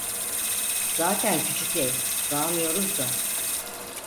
Zaten küçük ev, sığamıyoruz da…